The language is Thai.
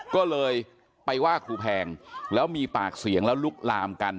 ก็เลยไปว่าครูแพงแล้วมีปากเสียงแล้วลุกลามกัน